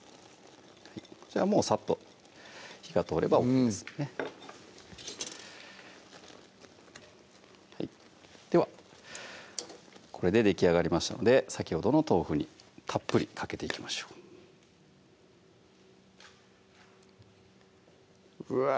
こちらもうサッと火が通ればＯＫですではこれでできあがりましたので先ほどの豆腐にたっぷりかけていきましょううわ